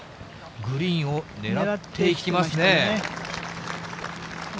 グリーンを狙っていきますね。